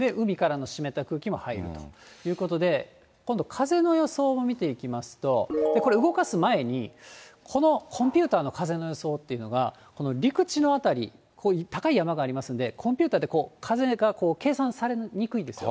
海からの湿った空気も入るということで、今度、風の予想を見ていきますと、これ、動かす前に、このコンピューターの風の予想というのが、この陸地の辺り、高い山がありますんで、コンピューターで風が計算されにくいんですよ。